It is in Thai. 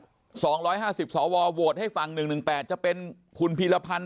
หรือให้๒๕๐สวโหวดให้ฟัง๑๑๘จะเป็นคุณพีรพันธ์